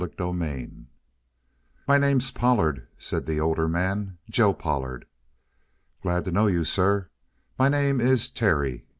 CHAPTER 22 "My Name's Pollard," said the older man. "Joe Pollard." "Glad to know you, sir. My name is Terry."